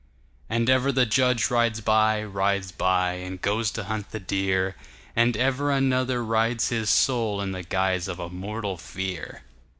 And ever the judge rides by, rides by, And goes to hunt the deer, And ever another rides his soulIn the guise of a mortal fear.